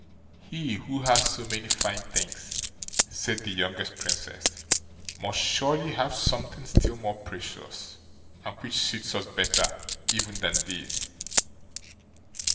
"He who has so many fine things", said the youngest Princess, "must surely have something still more precious, and which suits us better even than these."